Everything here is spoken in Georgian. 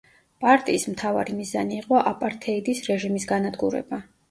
პარტიის მთავარი მიზანი იყო აპართეიდის რეჟიმის განადგურება.